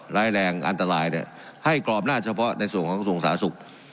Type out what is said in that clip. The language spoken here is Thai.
แรงอันตรายเนี่ยให้กรอบน่าเฉพาะในส่วนส่วนสาธุ